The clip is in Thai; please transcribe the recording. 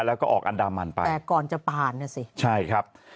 แล้วก็ออกอันดามันไปแต่ก่อนจะผ่านน่ะสิใช่ครับ